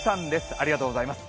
ありがとうございます。